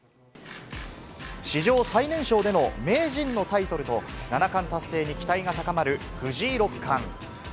史上最年少での名人のタイトルと七冠達成に期待が高まる、藤井六冠。